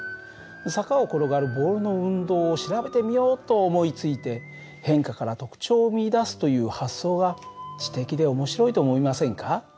坂を転がるボールの運動を調べてみようと思いついて変化から特徴を見いだすという発想が知的で面白いと思いませんか。